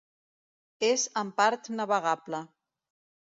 És en part navegable.